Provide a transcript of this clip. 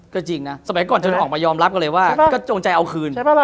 ก็จริงนะสมัยก่อนจะออกมายอมรับกันเลยว่าก็จงใจเอาคืน